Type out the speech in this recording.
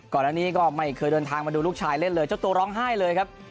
ก่อนอันนี้ก็ไม่เคยเดินทางมาดูลูกชายเล่นเลยเจ้าตัวร้องไห้เลยครับ